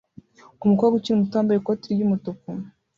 Umukobwa ukiri muto wambaye ikoti ry'umutuku